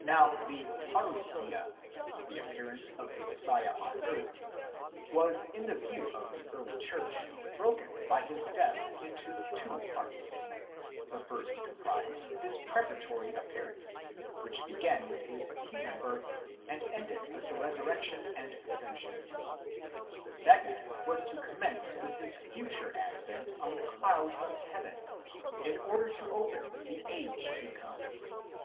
Now the παρουσία, the appearance of the Messiah Jesus on earth, was in the view of the early church broken by his death into two parts; the first comprised his preparatory appearance, which began with his human birth, and ended with the resurrection and ascension ; the second was to commence with his future advent on the clouds of heaven, in order to open the αἰὼν μέλλων, the age to come.